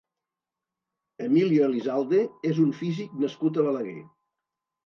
Emilio Elizalde és un físic nascut a Balaguer.